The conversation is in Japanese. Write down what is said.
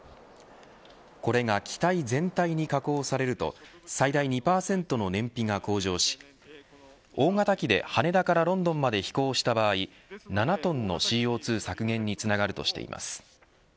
これが機体全体に加工されると最大２％の燃費が向上し大型機で羽田からロンドンまで飛行した場合７トンのＣＯ２削減につながるとしています。